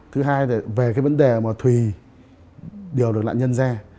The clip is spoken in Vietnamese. thứ hai về cái vấn đề mà thủy điều được đạn nhân ra